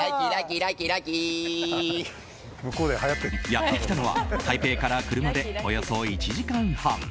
やってきたのは台北から車でおよそ１時間半。